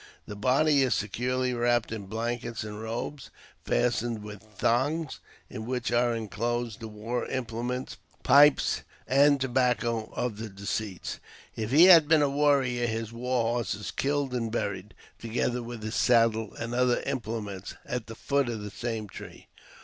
The body is securely wrapped in blankets and robes fastened with thongs, in which are inclosed the war implements, pipes and tobacco of the deceased. If he had been a warrior, his war horse is killed and buried, together with his saddle and other implements, at the foot of the same tree.